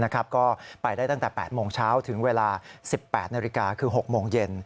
ก็ไปได้ตั้งแต่๘โมงเช้าถึงเวลา๑๘นาฬิกาคือ๖โมงเย็น